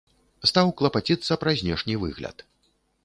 Стаў клапаціцца пра знешні выгляд.